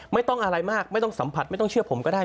ไม่ต้องอะไรมากไม่ต้องสัมผัสไม่ต้องเชื่อผมก็ได้